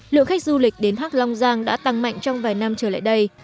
lượng khách du lịch đến thác long giang đã tăng mạnh trong vài năm trở lại đây